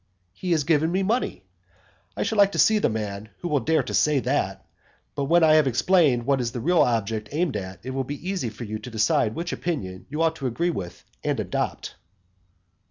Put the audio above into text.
"He has given me money:" I should like to see the man who will dare to say that. But when I have explained what is the real object aimed at, it will be easy for you to decide which opinion you ought to agree with and adopt.